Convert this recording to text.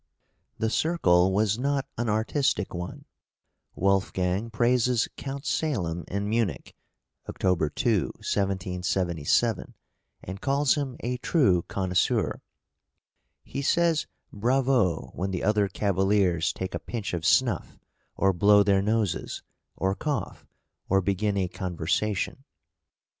The circle was not an artistic one. Wolfgang praises Count Salem in Munich (October 2, 1777), and calls him a {EARLY MANHOOD.} (334) true connoisseur. "He says 'Bravo!' when the other cavaliers take a pinch of snuff, or blow their noses, or cough, or begin a conversation."